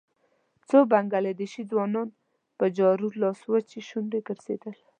څو بنګله دېشي ځوانان په جارو لاس وچې شونډې ګرځېدل.